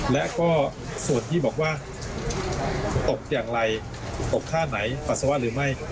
และก็ส่วนที่บอกว่าตกอย่างไรตกท่าไหนปัสสาวะหรือไม่